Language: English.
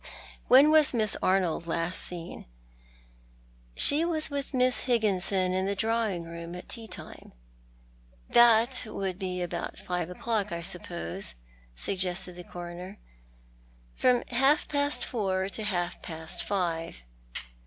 " When was Miss Arnold last seen ?"" She was with Miss Higginson in the drawing room at tea time." "That would be about five o'clock, I suppose?" suggested the Coroner. " From half past four to half past five."